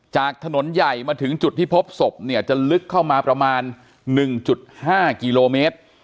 จากถนนใหญ่มาถึงจุดที่พบศพเนี่ยจะลึกเข้ามาประมาณ๑๕กิโลเมตร